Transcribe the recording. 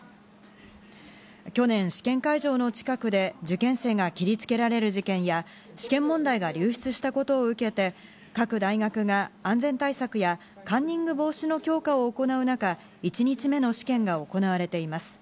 去年、試験会場の近くで受験生が切りつけられる事件や、試験問題が流出したことを受けて各大学が安全対策やカンニング防止の強化を行う中、１日目の試験が行われています。